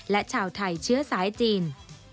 และชาวไทยเชื้อสายจีน